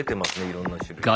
いろんな種類の。